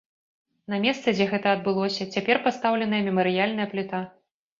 На месцы, дзе гэта адбылося, цяпер пастаўленая мемарыяльная пліта.